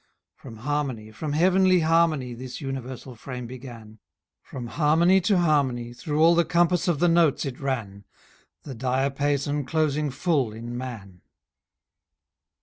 From harmony, from heavenly harmony, This universal frame began; From harmony to harmony Through all the compass of the notes it ran, The diapason closing full in man.